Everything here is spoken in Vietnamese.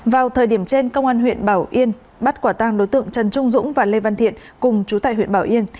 vào thời điểm trên công an huyện bảo yên bắt quả tăng đối tượng trần trung dũng và lê văn thiện cùng chú tại huyện bảo yên